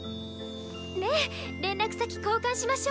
ねっ連絡先交換しましょ！